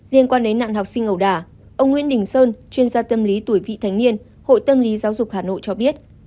liên quan đến nạn học sinh ẩu đà ông nguyễn đình sơn chuyên gia tâm lý tuổi vị thành niên hội tâm lý giáo dục hà nội cho biết